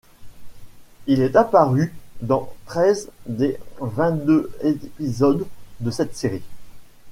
Il est apparu dans treize des vingt-deux épisodes de cette série.